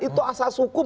itu asas hukum